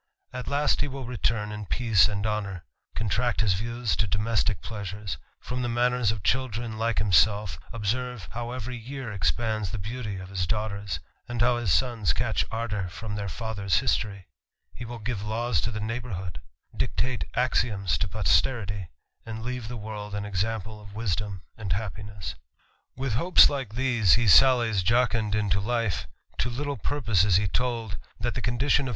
At last he will retire in peace and honour; contract his views to domestick pleasures; form the manners of children like himself; observe how every year expands the beauty of his daughters, and how his sons catch ardour from their fiithei's history; he will give laws to the neighbourhood; dictate axioms to posterity ; and leave the world an example of wisdom and happiness. With hopes like these, he sallies jocund jntojife ; to little purpose is he told, that the condition pf.